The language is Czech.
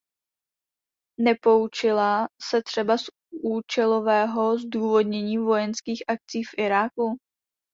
Nepoučila se třeba z účelového zdůvodnění vojenských akcí v Iráku?